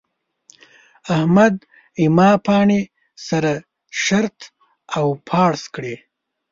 احمد زما پاڼې سره شرت او شپاړس کړې.